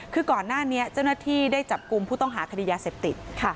คือก่อนหน้านี้เจ้าหน้าที่ได้จับกลุ่มผู้ต้องหาคดียาเสพติด